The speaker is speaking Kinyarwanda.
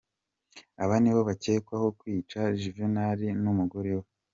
Aba nibo bakekwaho kwica Juvenal n’umugore we.